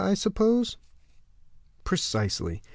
_ I suppose?" "Precisely."